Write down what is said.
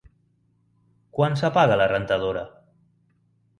Quan s'apaga la rentadora?